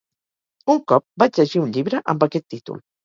Un cop vaig llegir un llibre amb aquest títol.